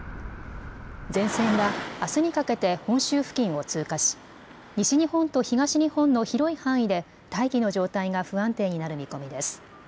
前線はあすにかけて本州付近を通過し西日本と東日本の広い範囲で大気の状態が不安定になる見込みです。